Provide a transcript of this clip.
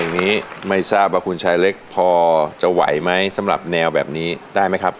อย่างนี้ไม่ทราบว่าคุณชายเล็กพอจะไหวไหมสำหรับแนวแบบนี้ได้ไหมครับ